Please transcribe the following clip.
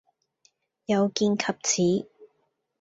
有見及此